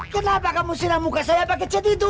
kenapa kamu sirah muka saya pake chat itu